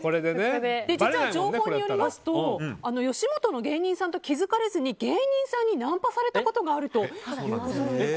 実は、情報によりますと吉本の芸人さんと気づかれずに、芸人さんにナンパされたことがあると。